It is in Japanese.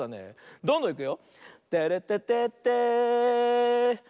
どんどんいくよ。